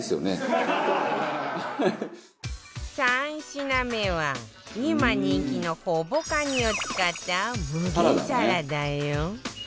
３品目は今人気のほぼカニを使った無限サラダよ